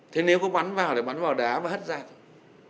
thế nếu có bắn vào để bắn vào đá và hất ra thôi